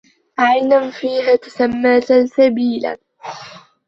عَيْنًا فِيهَا تُسَمَّى سَلْسَبِيلًا